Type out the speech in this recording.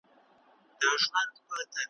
زه به راځم زه به تنها راځمه ,